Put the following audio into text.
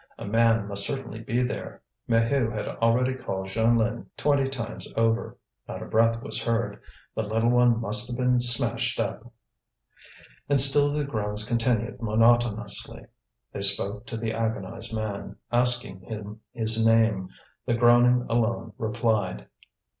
A man must certainly be there. Maheu had already called Jeanlin twenty times over. Not a breath was heard. The little one must have been smashed up. And still the groans continued monotonously. They spoke to the agonized man, asking him his name. The groaning alone replied.